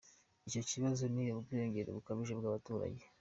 Icyo kibazo ni ubwiyongere bukabije bw’abaturage.